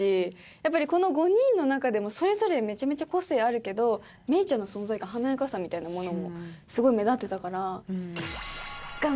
やっぱりこの５人の中でもそれぞれめちゃめちゃ個性あるけどメイちゃんの存在感華やかさみたいなものもすごい目立ってたから。